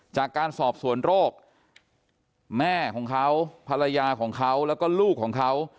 จากการสอบสวนโรคแม่ของเขาภรรยาของเขาแล้วก็ลูกของเขา